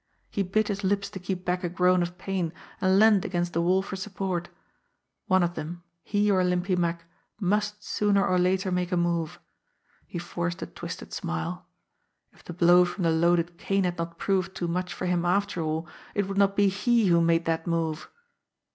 He bit his lips to keep back a groan of pain, and leaned against the wall for support. One of them, he or Limpy Mack, must sooner or later make a move. He forced a twisted MAN WITH THE RUBBER TIPPED CANE 71 smile. If the blow from the loaded cane had not proved too much for him after all, it would not be he who made that move!